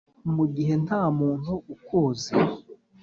mu gihe nta muntu ukuzi